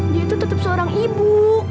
dia itu tetap seorang ibu